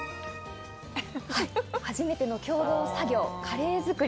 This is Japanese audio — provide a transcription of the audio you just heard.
初めての共同作業、カレー作り。